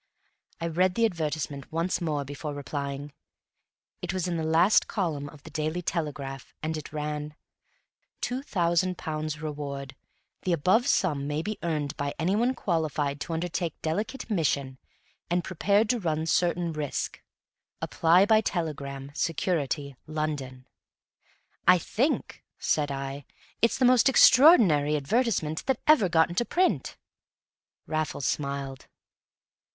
I read the advertisement once more before replying. It was in the last column of the Daily Telegraph, and it ran: TWO THOUSAND POUNDS REWARD The above sum may be earned by any one qualified to undertake delicate mission and prepared to run certain risk. Apply by telegram, Security, London. "I think," said I, "it's the most extraordinary advertisement that ever got into print!" Raffles smiled.